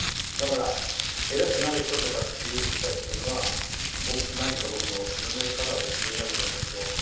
だから偉くなる人とかっていう人たちっていうのは何人か僕も色んな方を存じ上げていますけど。